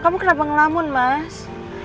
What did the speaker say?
kamu kenapa ngelamun mas